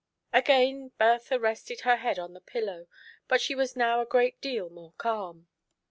'* Again Bertha rested her head on the pillow, but she was now a great deal more calm.